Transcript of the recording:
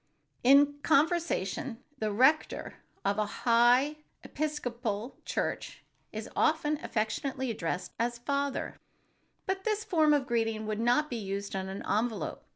In conversation, the rector of a "high" Episcopal church is often affectionately addressed as "Father ——," but this form of greeting would not be used on an envelope.